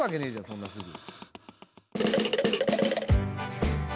そんなすぐ。